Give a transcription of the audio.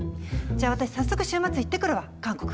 じゃあ私早速週末行ってくるわ韓国。